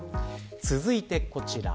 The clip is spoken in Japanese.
続いて、こちら。